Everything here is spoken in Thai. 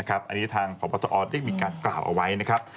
อันนี้ทางพบตอได้มีการกล่าวเอาไว้นะครับ